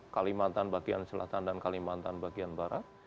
kalimantan bagian selatan dan kalimantan bagian barat